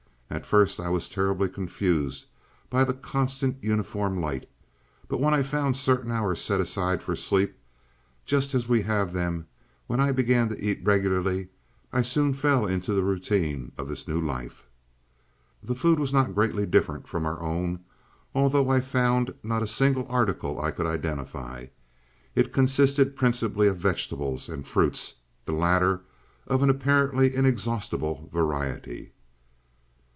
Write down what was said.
At first I was terribly confused by the constant, uniform light, but when I found certain hours set aside for sleep, just as we have them, when I began to eat regularly, I soon fell into the routine of this new life. "The food was not greatly different from our own, although I found not a single article I could identify. It consisted principally of vegetables and fruits, the latter of an apparently inexhaustible variety.